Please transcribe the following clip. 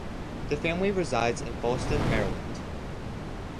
The family resides in Fallston, Maryland.